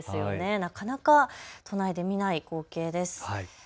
なかなか都内で見ない光景です。